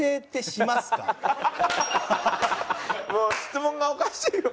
もう質問がおかしいよ